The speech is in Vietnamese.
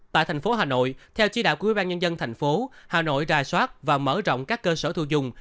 tại thành phố hà nội theo chỉ đạo của ubnd tp hà nội ra soát và mở rộng các cơ sở thu dùng